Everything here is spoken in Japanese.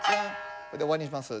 で終わりにします。